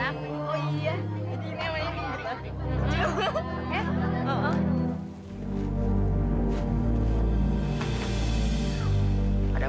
ini buat kamu